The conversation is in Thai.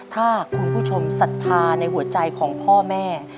ถ้าคุณผู้ชมศรัทธาในหัวใจของพ่อแม่